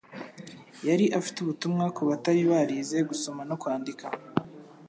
Yari afite ubutumwa ku batari barize gusoma no kwandika